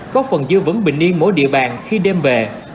có phần giữ vững bình yên mỗi địa bàn khi đêm về